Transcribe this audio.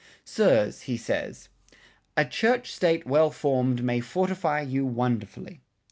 "Sirs," he says, "a Church State well form'd may fortify you wonderfully!"